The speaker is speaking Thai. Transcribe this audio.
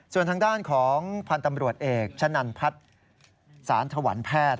ส่วนทางด้านของพันธ์ตำรวจเอกชะนันพัฒน์สารถวันแพทย์